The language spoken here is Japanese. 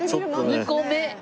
２個目。